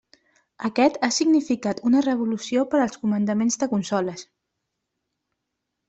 Aquest ha significat una revolució per als comandaments de consoles.